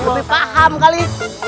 lebih paham kali